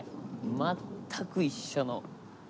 全く一緒の。